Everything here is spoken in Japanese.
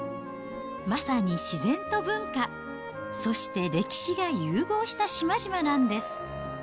まさに自然と文化、そして歴史が融合した島々なんです。